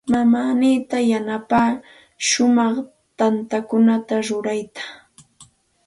Mamaaninta yanapan shumaq tantakuna rurayta.